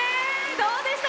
どうでした？